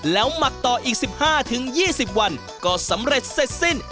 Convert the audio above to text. แล้วหมักต่ออีก๑๕๒๐วันก็สำเร็จเสร็จสิ้น